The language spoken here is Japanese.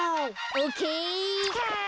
オッケー。